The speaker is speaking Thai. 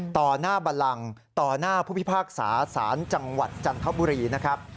ต่อหน้าบันลังต่อหน้าผู้พิพากษาสารจังหวัดจันทบุรีนะครับ